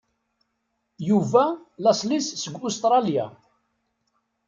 Yuba laṣel-is seg Ustṛalya.